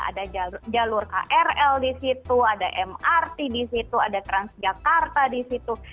ada jalur krl di situ ada mrt di situ ada transjakarta di situ